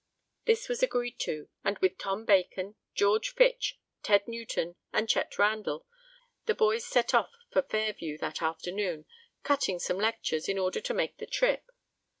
This was agreed to, and with Tom Bacon, George Fitch, Ted Newton and Chet Randell, the boys set off for Fairview that afternoon, "cutting" some lectures in order to make the trip.